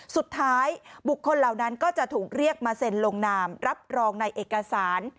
สุดท้ายบุคคลเหล่านั้นก็จะถูกเรียกมาเซ็นลงนามรับรองในเอกสาร